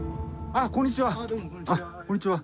あっこんにちは。